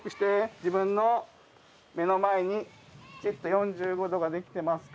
自分の目の前に、きちっと４５度ができてますか？